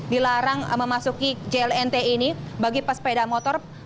dilarang memasuki jlnt ini bagi pesepeda motor